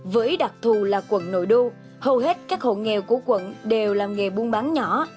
với đặc thù là quận nội đô hầu hết các hộ nghèo của quận đều làm nghề buôn bán nhỏ